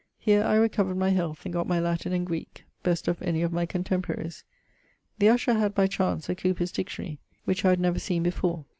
Here I recovered my health, and gott my Latin and Greeke, best of any of my contemporaries. The usher had (by chance) a Cowper's Dictionary, which I had never seen before.